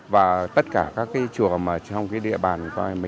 và tất cả các chùa trong địa bàn